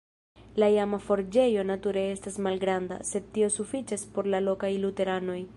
La iama forĝejo nature estas malgranda, sed tio sufiĉas por la lokaj luteranoj.